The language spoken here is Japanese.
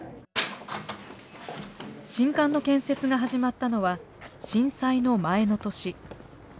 新館の建設が始まったのは震災の前の年。